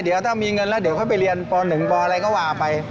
เดี๋ยวถ้ามีเงินแล้วเดี๋ยวค่อยไปเรียนป๑ปอะไรก็ว่าไป